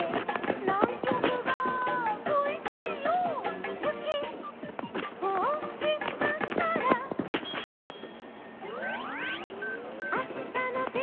「『ナンキョクがこいしいよ』」「ゆきをおしたから」「あしたのてんきは」